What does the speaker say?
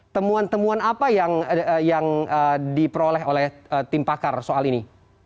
temuan temuan apa yang diperoleh oleh tim pakar soal ini